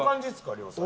亮さん。